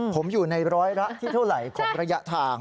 ผมอยู่ในร้อยละที่เท่าไหร่ของระยะทาง